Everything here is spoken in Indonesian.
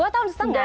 dua tahun setengah